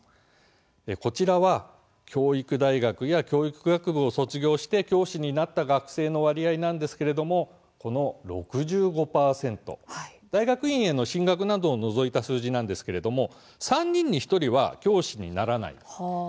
こちらは教育大学や教育学部を卒業して教師になった学生の割合なんですけれどもこの６５％、大学院への進学などを除いた数字ですが３人に１人は教師にならない。